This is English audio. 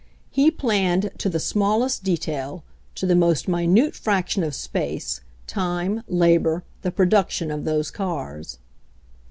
He planned to the smallest detail, to the most minute fraction of space, time, labor, the production of those cars.